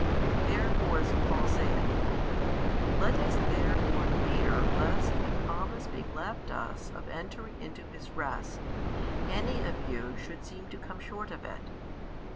Therefore as Paul saith, Let us therefore fear lest, a promise being left us of entering into His Rest, any of you should seem to come short of it.